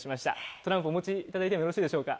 トランプお持ちいただいてもよろしいでしょうか？